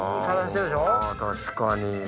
確かに。